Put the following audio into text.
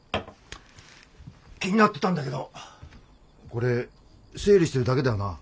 気になってたんだけどこれ整理してるだけだよな。